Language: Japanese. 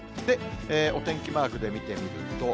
お天気マークで見てみると。